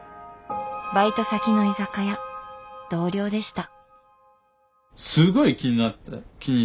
バイト先の居酒屋同僚でした。